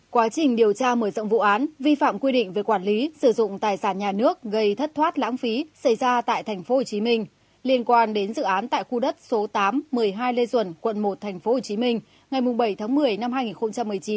quá trình điều tra mở rộng vụ án vi phạm quy định về quản lý sử dụng tài sản nhà nước gây thất thoát lãng phí xảy ra tại tp hcm liên quan đến dự án tại khu đất số tám một mươi hai lê duẩn quận một tp hcm ngày bảy tháng một mươi năm hai nghìn một mươi chín